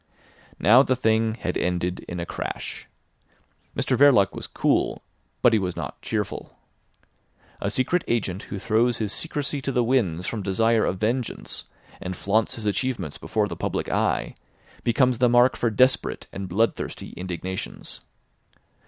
Now the thing had ended in a crash. Mr Verloc was cool; but he was not cheerful. A secret agent who throws his secrecy to the winds from desire of vengeance, and flaunts his achievements before the public eye, becomes the mark for desperate and bloodthirsty indignations.